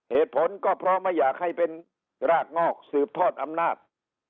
เหตุผลก็เพราะไม่อยากให้เป็นรากงอกสืบทอดอำนาจ